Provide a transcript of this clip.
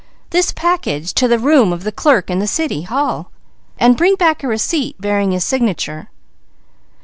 "This package to the room of the Clerk in the City Hall, and bring back a receipt bearing his signature."